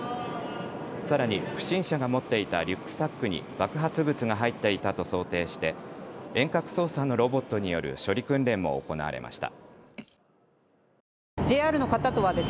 さらに不審者が持っていたリュックサックに爆発物が入っていたと想定して遠隔操作のロボットによる処理訓練も行われました。